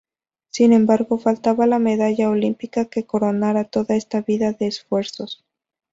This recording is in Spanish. Sin embargo, faltaba la medalla olímpica que coronara toda esta vida de esfuerzos.